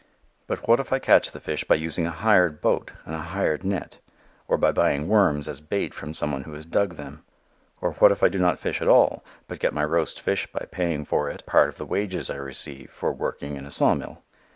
But what if I catch the fish by using a hired boat and a hired net, or by buying worms as bait from some one who has dug them? Or what if I do not fish at all, but get my roast fish by paying for it a part of the wages I receive for working in a saw mill?